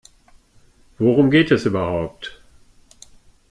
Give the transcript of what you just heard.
Worum geht es überhaupt?